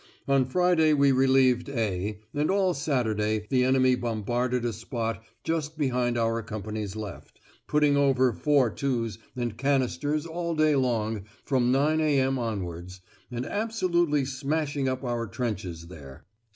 On Friday we relieved 'A,' and all Saturday the enemy bombarded a spot just behind our company's left, putting over 4·2's and canisters all day long from 9.0 a.m. onwards, and absolutely smashing up our trenches there.